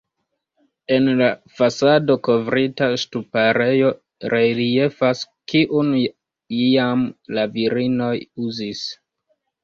En la fasado kovrita ŝtuparejo reliefas, kiun iam la virinoj uzis.